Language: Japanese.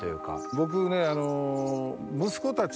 僕ね。